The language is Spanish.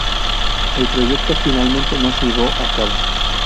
El proyecto finalmente no se llevó a cabo.